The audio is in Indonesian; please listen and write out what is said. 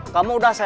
kamu udah sehat